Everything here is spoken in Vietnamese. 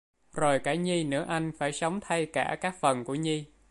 Rồi cả Nhi nữa anh phải sống thay cả các phần của Nhi